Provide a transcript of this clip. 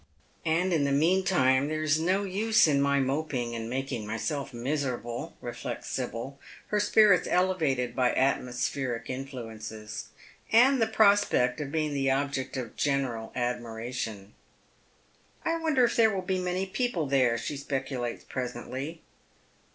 "And in the meantime there is no use in my moping and making myself miserable," reflects Sibyl, her spirits elevated by atmospheric influences, and the prospect of being the object of general admiration. " I wonder if there will be many people there? " she speculates presently.